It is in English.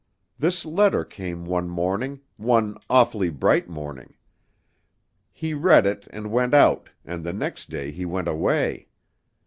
This letter came one morning, one awfully bright morning. He read it and went out and the next day he went away.